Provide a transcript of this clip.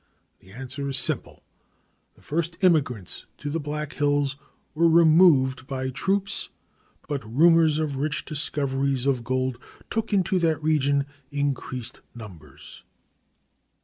The answer is simple: The first immigrants to the Black Hills were removed by troops, but rumors of rich discoveries of gold took into that region increased numbers.